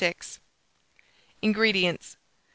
INGREDIENTS.